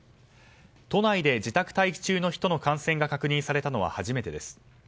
都内で自宅待機中の人の感染が確認されたのは初めてです。